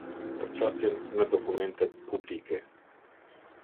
Për Qasjen në Dokumente Publike.